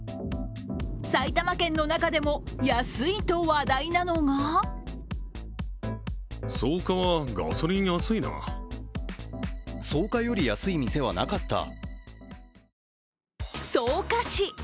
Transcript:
埼玉県の中でも、安いと話題なのが草加市。